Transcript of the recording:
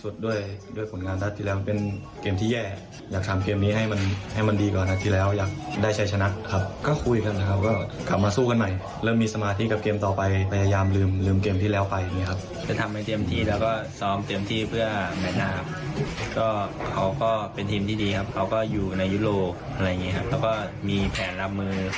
แต่รับมือสำหรับโพสต์เราก็จะทำให้เต็มนี้ครับ